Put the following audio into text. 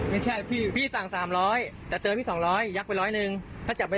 ไม่ใช่พี่ไม่ยอมรับไม่ยอมรับใช่ไหม